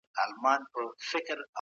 څوک بايد د کتابونو د سانسور مخه ونيسي؟